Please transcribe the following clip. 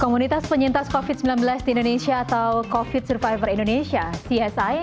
komunitas penyintas covid sembilan belas di indonesia atau covid survivor indonesia csi